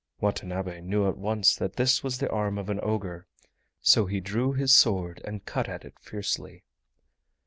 Watanabe knew at once that this was the arm of an ogre, so he drew his sword and cut at it fiercely.